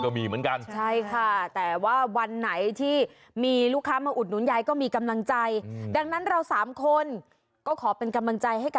ก็รู้แล้วว่าโหลดอย่างงี้ลูกค้าเขาชอบอย่างงี้ค่ะ